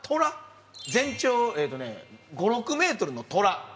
全長５６ｍのトラ。